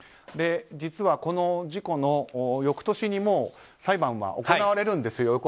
実は、この事故の翌年にも裁判が行われるんですよ。